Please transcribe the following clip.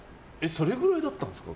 それぐらいだったんですか。